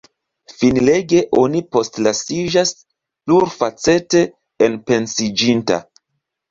Finlege oni postlasiĝas plurfacete enpensiĝinta.